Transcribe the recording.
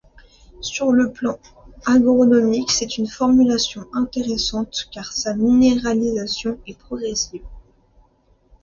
Sur le plan agronomique, c’est une formulation intéressante car sa minéralisation est progressive.